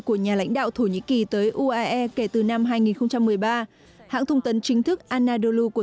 của nhà lãnh đạo thổ nhĩ kỳ tới uae kể từ năm hai nghìn một mươi ba hãng thông tấn chính thức anadolu của